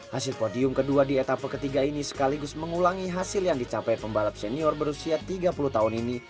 hasil podium kedua di etapa ketiga ini sekaligus mengulangi hasil yang dicapai pembalap senior berusia tiga puluh tahun ini